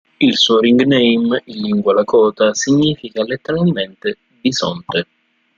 Il suo ring name in lingua Lakota significa letteralmente "bisonte".